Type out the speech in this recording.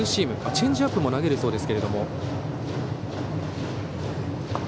チェンジアップも投げるそうですが。